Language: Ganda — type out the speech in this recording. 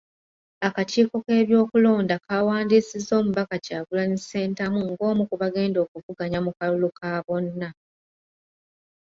Akakiiko k'ebyokulonda kawandiisizza Omubaka Kyagulanyi Ssentamu ng'omu ku bagenda okuvuganya mu kalulu ka bonna